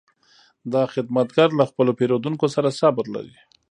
دا خدمتګر له خپلو پیرودونکو سره صبر لري.